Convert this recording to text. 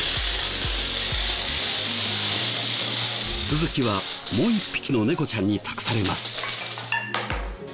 続きはもう１匹の猫ちゃんに託されます。